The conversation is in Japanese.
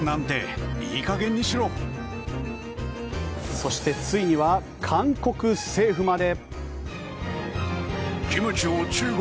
そして、ついには韓国政府まで。